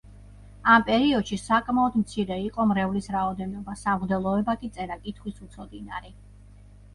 ამ პერიოდში საკმაოდ მცირე იყო მრევლის რაოდენობა, სამღვდელოება კი წერა–კითხვის უცოდინარი.